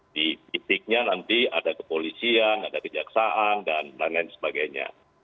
di titiknya nanti ada kepolisian ada kejaksaan dan lain lain sebagainya